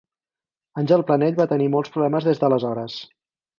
Àngel Planell va tenir molts problemes des d'aleshores.